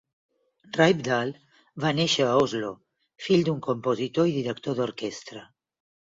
Rypdal va néixer a Oslo, fill d'un compositor i director d'orquestra.